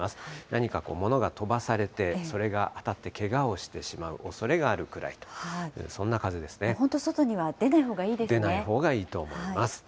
何か物が飛ばされて、それが当たってけがをしてしまうおそれがあ本当外には出ないほうがいい出ないほうがいいと思います。